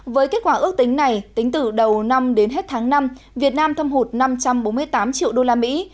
với kết quả ước tính này tính từ đầu năm đến hết tháng năm việt nam thâm hụt năm trăm bốn mươi tám triệu usd